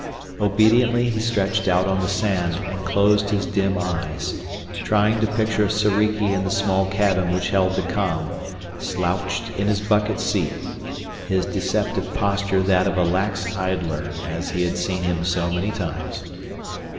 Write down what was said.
Obediently he stretched out on the sand and closed his dim eyes, trying to picture Soriki in the small cabin which held the com, slouched in his bucket seat, his deceptive posture that of a lax idler, as he had seen him so many times.